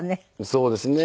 そうですね。